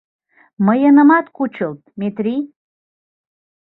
Мыйынымат кучылт, Метрий.